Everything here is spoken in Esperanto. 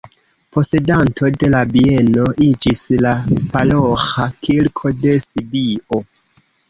Posedanto de la bieno iĝis la paroĥa kirko de Sibio.